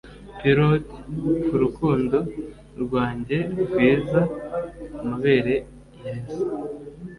pillow'd ku rukundo rwanjye rwiza amabere yeze